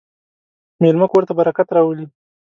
مېلمه کور ته برکت راولي.